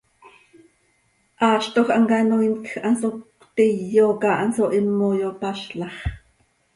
Haaztoj hamcanoiin quij hanso cötíyoca, hanso himo xopazlax.